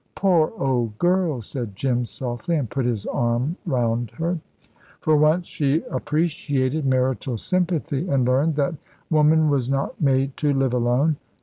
"Poor old girl," said Jim, softly, and put his arm round her. For once she appreciated marital sympathy, and learned that woman was not made to live alone.